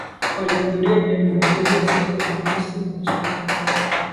Walihudhuria pia viongozi wa sekta binafisi na Mashirika mbalimbali